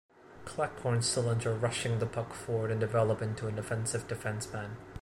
Cleghorn still enjoyed rushing the puck forward and developed into an offensive defenceman.